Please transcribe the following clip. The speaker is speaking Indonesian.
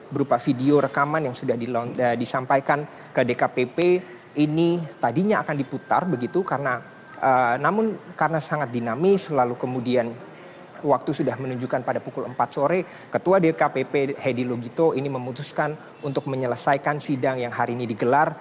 berupa video rekaman yang sudah disampaikan ke dkpp ini tadinya akan diputar begitu karena namun karena sangat dinamis lalu kemudian waktu sudah menunjukkan pada pukul empat sore ketua dkpp hedi lugito ini memutuskan untuk menyelesaikan sidang yang hari ini digelar